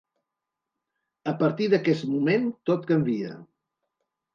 A partir d’aquest moment, tot canvia.